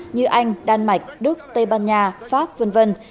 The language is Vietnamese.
như anh đan mạch đức tây ban nha pháp v v